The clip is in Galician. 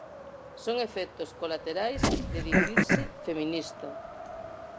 Son efectos colaterais de dicirse feminista.